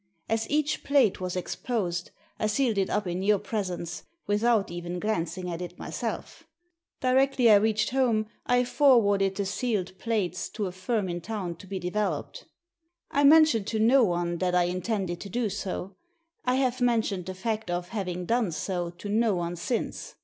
As each plate was exposed I sealed it up in your presence, without even glancing at it myself Directly I reached home I forwarded the sealed plates to a firm in town to be developed. I mentioned to no one that I in tended to do so. I have mentioned the fact of having done so to no one since.